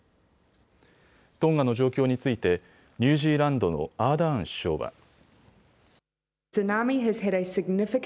トンガの状況についてニュージーランドのアーダーン首相は。